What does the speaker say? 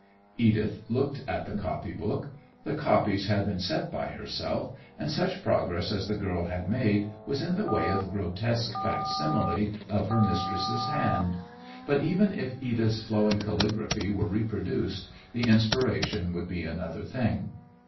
Edith looked at the copybook. The copies had been set by herself, and such progress as the girl had made was in the way of grotesque facsimile of her mistress's hand. But even if Edith's flowing caligraphy were reproduced the inspiration would be another thing.